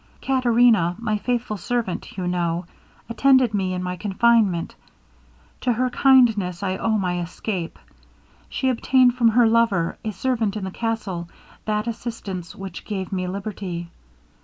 Caterina, my faithful servant, you know, attended me in my confinement; to her kindness I owe my escape. She obtained from her lover, a servant in the castle, that assistance which gave me liberty.